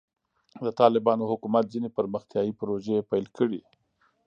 د طالبانو حکومت ځینې پرمختیایي پروژې پیل کړې.